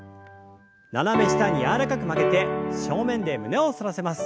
斜め下に柔らかく曲げて正面で胸を反らせます。